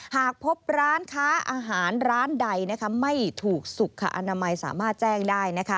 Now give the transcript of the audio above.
หากพบร้านค้าอาหารร้านใดไม่ถูกสุขอนามัยสามารถแจ้งได้